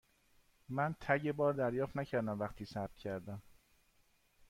من تگ بار دریافت نکردم وقتی ثبت کردم.